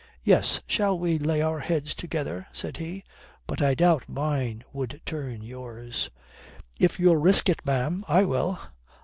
"Yes, shall we lay our heads together?" said he. "But I doubt mine would turn yours." "If you'll risk it, ma'am, I will."